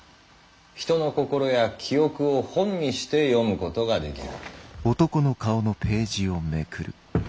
人の心や記憶を「本」にして読むことができる。